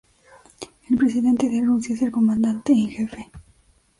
El presidente de Rusia es el comandante en jefe.